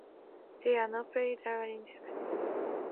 There are no plays during Lent, and there are no marriages.